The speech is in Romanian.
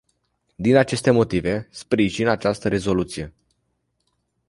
Din aceste motive, sprijin această rezoluție.